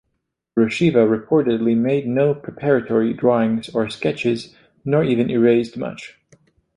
Rusheva reportedly made no preparatory drawings or sketches, nor even erased much.